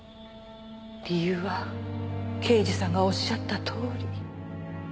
理由は刑事さんがおっしゃったとおり。